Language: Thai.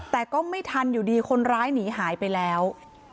แต่ก็ไม่ทันอยู่ดีคนร้ายหนีหายไปแล้ว